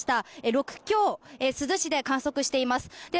６強、珠洲市で観測しています。